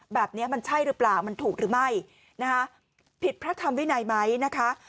แบบนี้มันใช่หรือเปล่ามันถูกหรือไม่นะคะผิดพระธรรมวินัยไหมนะคะ